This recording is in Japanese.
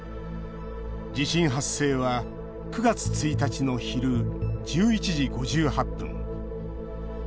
地震発生は９月１日の昼、１１時５８分。